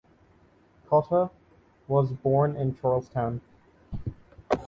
Cotter was born in Charlestown.